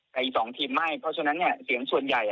ใครอีก๒ทีมไม่เพราะฉะนั้นเสียงส่วนใหญ่